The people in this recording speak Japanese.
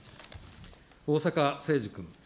逢坂誠二君。